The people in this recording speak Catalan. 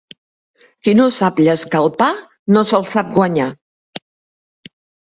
Qui no sap llescar el pa, no se'l sap guanyar.